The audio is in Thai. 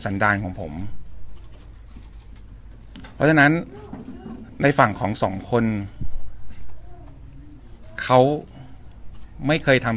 ดาลของผมเพราะฉะนั้นในฝั่งของสองคนเขาไม่เคยทำ